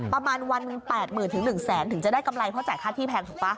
ประมาณวัน๘๐๐๐๑แสนถึงจะได้กำไรเพราะจ่ายค่าที่แพงถูกป่ะ